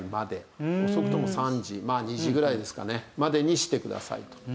遅くとも３時まあ２時ぐらいですかねまでにしてくださいと。